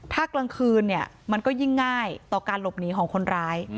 ถ้ากลางคืนเนี่ยมันก็ยิ่งง่ายต่อการหลบหนีของคนร้าย